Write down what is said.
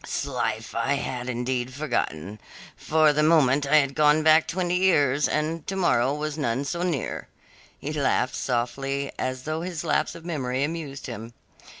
"'Slife, I had indeed forgotten. For the moment I had gone back twenty years, and to morrow was none so near." He laughed softly, as though his lapse of memory amused him.